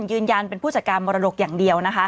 ยืนยันเป็นผู้จัดการมรดกอย่างเดียวนะคะ